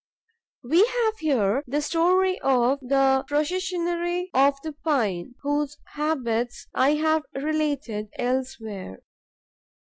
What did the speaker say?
We have here the story of the Processionary of the Pine, whose habits I have related elsewhere.